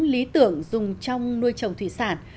lý tưởng dùng trong nuôi trồng thủy sản